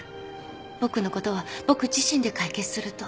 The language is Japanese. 「僕のことは僕自身で解決する」と。